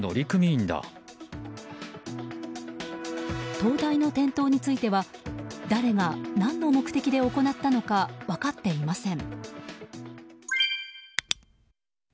灯台の点灯については誰が何の目的で行ったのか分かっていません。